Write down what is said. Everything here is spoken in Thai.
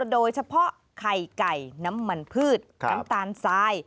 โดยเฉพาะไข่ไก่น้ำมันพืชน้ำตาลทราย